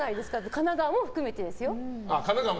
神奈川も含めてですよ。